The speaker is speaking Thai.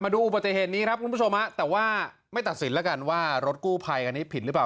ดูอุบัติเหตุนี้ครับคุณผู้ชมฮะแต่ว่าไม่ตัดสินแล้วกันว่ารถกู้ภัยคันนี้ผิดหรือเปล่า